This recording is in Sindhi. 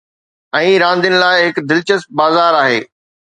۽ راندين لاء هڪ دلچسپ بازار آهي.